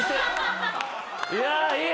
いやいい！